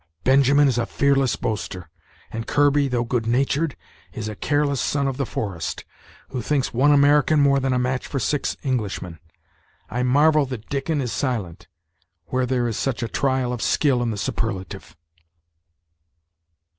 Benjamin is a fearless boaster; and Kirby, though good natured, is a careless son of the forest, who thinks one American more than a match for six Englishmen. I marvel that Dickon is silent, where there is such a trial of skill in the superlative!"